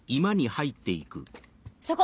そこ！